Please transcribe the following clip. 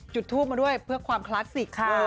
จุดทูปมาด้วยเพื่อความคลาสสิกค่ะ